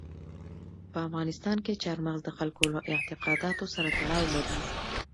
په افغانستان کې چار مغز د خلکو له اعتقاداتو سره تړاو لري.